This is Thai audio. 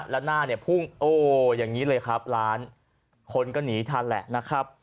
แล้วหน้าเนี่ยพุ่งโอ้อย่างนี้เลยครับร้านคนก็หนีทันแหละนะครับ